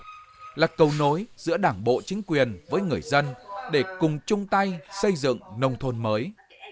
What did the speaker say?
đây là cầu nối giữa đảng bộ chính quyền với người dân để cùng chung tay xây dựng nông thôn mới